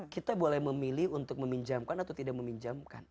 kita boleh memilih untuk meminjamkan atau tidak meminjamkan